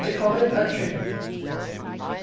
COBBETT AT TRING. "Mr.